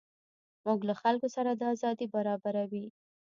موټر له خلکو سره ازادي برابروي.